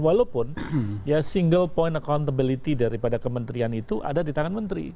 walaupun ya single point accountability daripada kementerian itu ada di tangan menteri